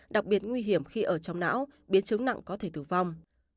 đặc biệt nguy hiểm khi ở trong não biến chứng nặng có thể tử vong